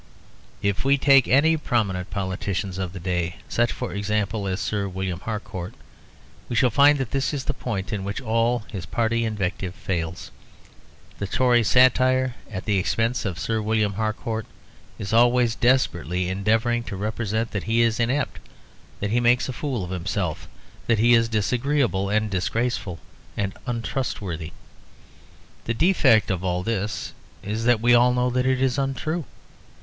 If we take any prominent politician of the day such, for example, as Sir William Harcourt we shall find that this is the point in which all party invective fails. The Tory satire at the expense of Sir William Harcourt is always desperately endeavouring to represent that he is inept, that he makes a fool of himself, that he is disagreeable and disgraceful and untrustworthy. The defect of all that is that we all know that it is untrue.